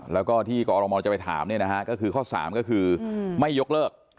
แล้วก็ที่กรมจะไปถามก็คือข้อ๓ก็คือไม่ยกเลิก